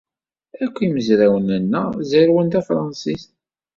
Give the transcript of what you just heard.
Akk imezrawen-nneɣ zerrwen tafṛansit.